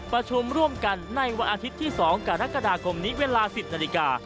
ประชุมร่วมกันในวันอาทิตย์ที่๒กรกฎาคมนี้เวลา๑๐นาฬิกา